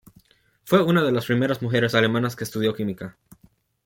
Fue una de las primeras mujeres alemanas que estudió química.